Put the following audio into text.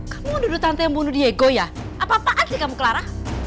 kamu duduk tante yang bunuh diego ya apa apaan sih kamu clara